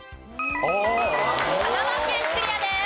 香川県クリアです。